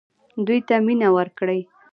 دوی ته مینه ورکړئ